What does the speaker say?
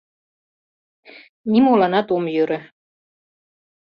Нимоланат ом йӧрӧ.